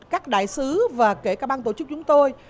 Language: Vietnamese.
các đại sứ và kể cả ban tổ chức chúng tôi